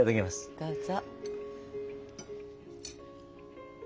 どうぞ。